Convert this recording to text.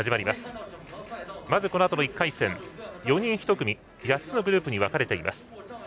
まず、このあとの１回戦は４人１組８つのグループに分かれています。